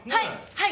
はい！